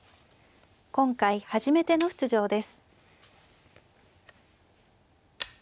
今回初めての出場です。